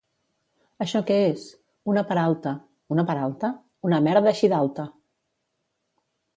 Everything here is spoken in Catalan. —Això què és? —Una peralta. —Una peralta? —Una merda així d'alta!